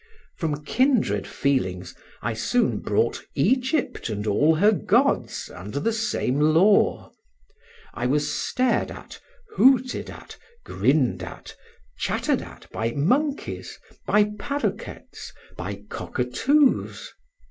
From kindred feelings, I soon brought Egypt and all her gods under the same law. I was stared at, hooted at, grinned at, chattered at, by monkeys, by parroquets, by cockatoos.